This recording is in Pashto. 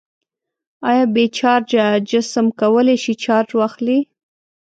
آیا بې چارجه جسم کولی شي چارج واخلي؟